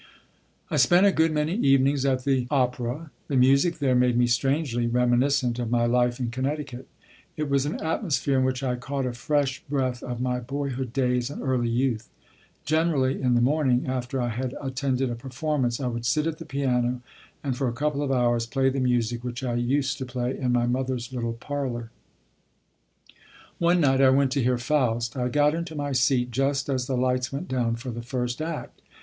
I spent a good many evenings at the Opéra. The music there made me strangely reminiscent of my life in Connecticut; it was an atmosphere in which I caught a fresh breath of my boyhood days and early youth. Generally, in the morning after I had attended a performance, I would sit at the piano and for a couple of hours play the music which I used to play in my mother's little parlor. One night I went to hear Faust. I got into my seat just as the lights went down for the first act.